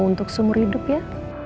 untuk seumur hidup ya